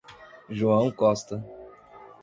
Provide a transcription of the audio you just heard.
João Costa